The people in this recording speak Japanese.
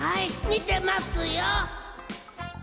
見てますよ。